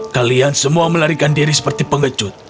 kalian semua melarikan diri seperti pengecut